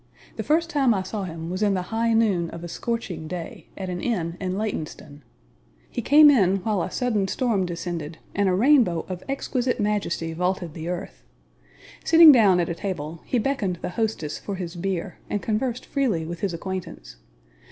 The first time I saw him was in the high noon of a scorching day, at an inn in Laytonstone. He came in while a sudden storm descended, and a rainbow of exquisite majesty vaulted the earth. Sitting down at a table, he beckoned the hostess for his beer, and conversed freely with his acquaintance.